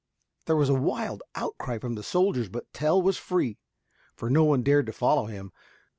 There was a wild outcry from the sailors, but Tell was free, for no one dared to follow him.